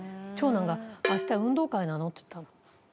長男が、あした、運動会なの？って言ったの。